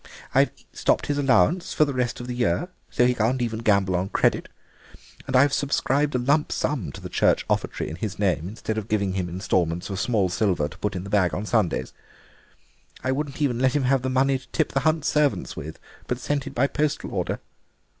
I've stopped his allowance for the rest of the year, so he can't even gamble on credit, and I've subscribed a lump sum to the church offertory in his name instead of giving him instalments of small silver to put in the bag on Sundays. I wouldn't even let him have the money to tip the hunt servants with, but sent it by postal order.